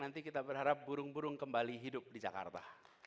nanti kita berharap burung burung kembali hidup di jakarta